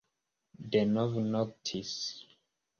Denove noktis.